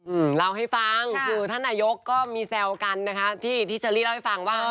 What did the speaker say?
อืมเล่าให้ฟังคือท่านนายกก็มีแซวกันนะคะที่ที่เชอรี่เล่าให้ฟังว่า